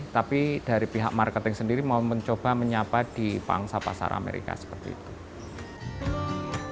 tapi dari pihak marketing sendiri mau mencoba menyapa di pangsa pasar amerika seperti itu